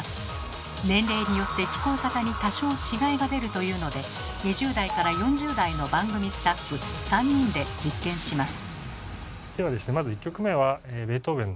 年齢によって聞こえ方に多少違いが出るというので２０代から４０代の番組スタッフ３人で実験します。